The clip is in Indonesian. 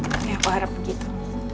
oke aku harap begitu